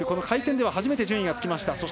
回転では初めて順位がつきました。